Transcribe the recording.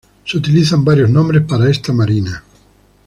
Se utilizan varios nombres para esta Marina.